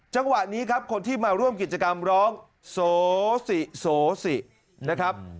จังหวะนี้ครับคนที่มาร่วมกิจกรรมร้องโสสิโสสินะครับ